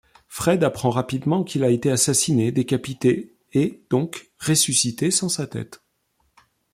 Fred apprend rapidement qu’il a été assassiné, décapité et donc ressuscité sans sa tête.